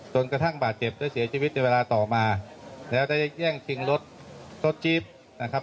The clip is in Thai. จนกระทั่งบาดเจ็บและเสียชีวิตในเวลาต่อมาแล้วก็ได้แย่งชิงรถรถจี๊บนะครับ